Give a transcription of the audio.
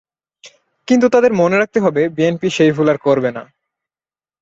কিন্তু তাদের মনে রাখতে হবে, বিএনপি সেই ভুল আর করবে না।